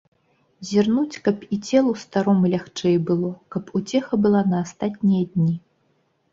Зірнуць, каб і целу старому лягчэй было, каб уцеха была на астатнія дні.